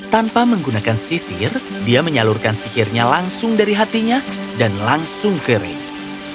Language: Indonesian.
tanpa menggunakan sisir dia menyalurkan sihirnya langsung dari hatinya dan langsung ke reis